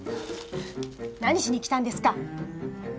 何しに来たんですか？